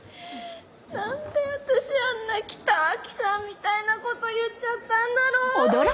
何で私あんな北脇さんみたいなこと言っちゃったんだろう。